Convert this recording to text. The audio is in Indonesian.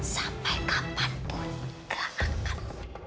sampai kapanpun gak akan